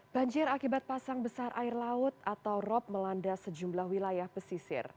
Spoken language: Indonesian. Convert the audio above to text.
banjir akibat pasang besar air laut atau rop melanda sejumlah wilayah pesisir